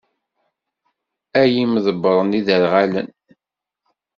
Ay imḍebbren iderɣalen!